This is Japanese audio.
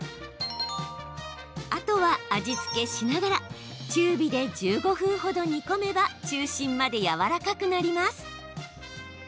あとは味付けしながら中火で１５分ほど煮込めば中心までやわらかくなります。